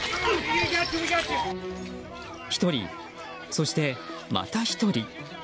１人、そしてまた１人。